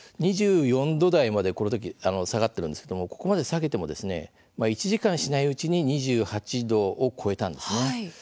２４度台まで、このとき下がっているんですけれどもここまで下げても１時間しないうちに２８度を超えたんですね。